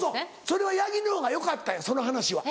それは八木のほうがよかったんやその話は。